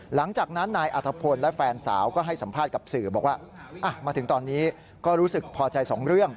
หลังจากนั้นนายอัธพลและแฟนสาวก็ให้สัมภาษณ์กับสื่อบอกว่ามาถึงตอนนี้ก็รู้สึกพอใจสองเรื่อง